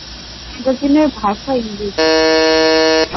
ম্যাগাজিনের ভাষা ইংরেজি।